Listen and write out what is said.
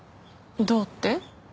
どうって？